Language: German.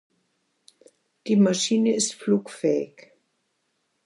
Die Maschine ist flugfähig.